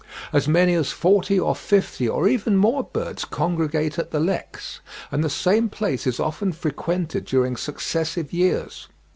As many as forty or fifty, or even more birds congregate at the leks; and the same place is often frequented during successive years.